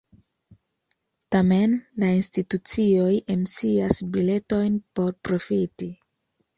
Tamen, la institucioj emisias biletojn por profiti.